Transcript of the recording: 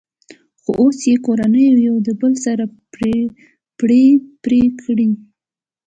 خو اوس یې کورنیو یو د بل سره پړی پرې کړی.